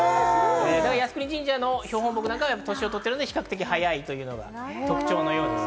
靖国神社の標本木なんかは、年をとってるので、比較的早いというのが特徴のようです。